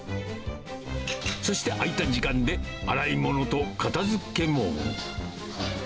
そして、空いた時間で洗い物と片づけも。